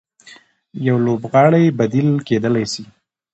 يو لوبغاړی بديل کېدلای سي.